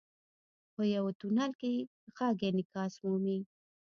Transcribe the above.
• په یو تونل کې ږغ انعکاس مومي.